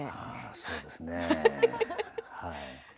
そうですね、はい。